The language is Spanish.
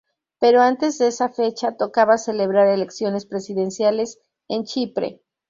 Pero antes de esa fecha tocaba celebrar elecciones presidenciales en Chipre.